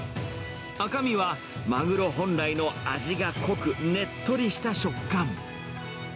赤身は、マグロ本来の味が濃く、ねっとりした食感。